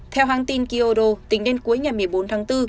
theo hãng tin kyodo tính đến cuối ngày một mươi bốn tháng bốn